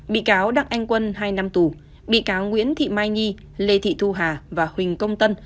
bị cáo đặng anh quân hai năm tù bị cáo nguyễn thị mai nhi lê thị thu hà và huỳnh công tân